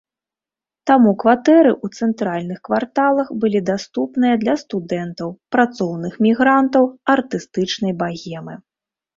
Таму кватэры ў цэнтральных кварталах былі даступныя для студэнтаў, працоўных мігрантаў, артыстычнай багемы.